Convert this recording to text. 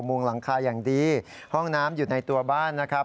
งงหลังคาอย่างดีห้องน้ำอยู่ในตัวบ้านนะครับ